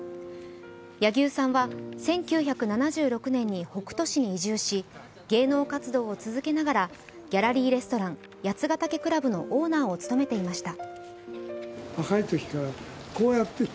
柳生さんは１９７６年に北杜市に移住し芸能活動を続けながらギャラリー・レストラン八ヶ岳倶楽部のオーナーを務めていました。